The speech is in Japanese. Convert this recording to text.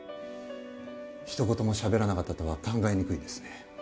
ひと言もしゃべらなかったとは考えにくいですね。